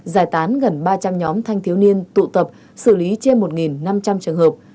giải tán gần ba trăm linh nhóm thanh thiếu niên tụ tập xử lý trên một năm trăm linh trường hợp